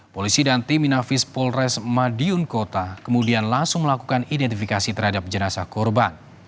polisi dan tim inafis polres madiun kota kemudian langsung melakukan identifikasi terhadap jenazah korban